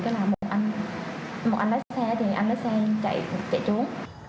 tức là một anh một anh lái xe thì anh lái xe chạy trốn